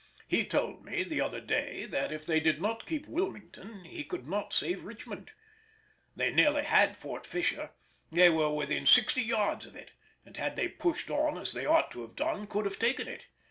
He told me the other day, that if they did not keep Wilmington he could not save Richmond. They nearly had Fort Fisher—they were within sixty yards of it—and had they pushed on as they ought to have done could have taken it.